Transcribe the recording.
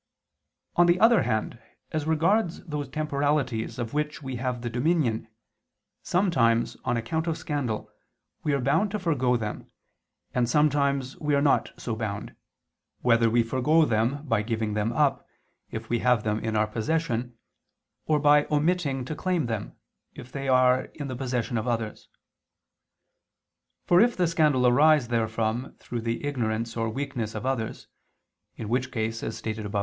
On the other hand, as regards those temporalities of which we have the dominion, sometimes, on account of scandal, we are bound to forego them, and sometimes we are not so bound, whether we forego them by giving them up, if we have them in our possession, or by omitting to claim them, if they are in the possession of others. For if the scandal arise therefrom through the ignorance or weakness of others (in which case, as stated above, A.